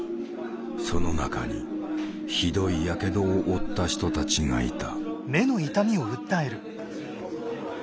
その中にひどい火傷を負った人たちがいた。